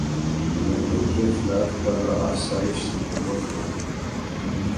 London کے flat پر آسائش تو بہت ہوں۔